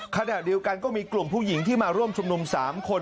ขณะเดียวกันก็มีกลุ่มผู้หญิงที่มาร่วมชุมนุม๓คน